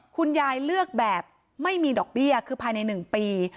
คุณยายเลือกแบบไม่มีดอกเบี้ยคือภายใน๑ปี